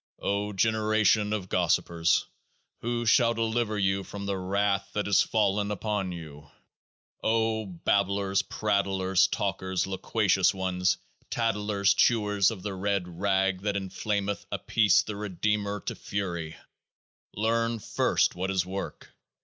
O generation of gossipers ! who shall deliver you from the Wrath that is fallen upon you? O Babblers, Prattlers, Talkers, Loquacious Ones, Tatlers, Chewers of the Red Rag that inflameth Apis the Redeemer to fury, learn first what is Work